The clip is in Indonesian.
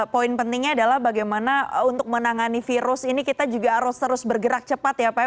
poin pentingnya adalah bagaimana untuk menangani virus ini kita juga harus terus bergerak cepat ya pak